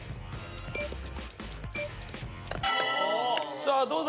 さあどうだ？